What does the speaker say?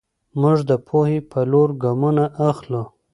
موږ د پوهې په لور ګامونه اخلو.